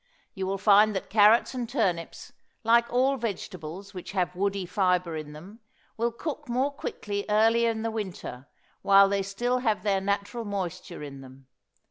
You will find that carrots and turnips, like all vegetables which have woody fibre in them, will cook more quickly early in the winter while they still have their natural moisture in them.